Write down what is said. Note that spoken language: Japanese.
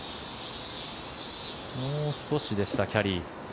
もう少しでした、キャリー。